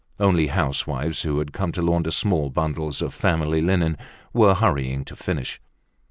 Only housewives who had come to launder small bundles of family linen were hurrying to finish.